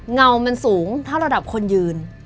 เงามันสูงถ้าระดับคนยืน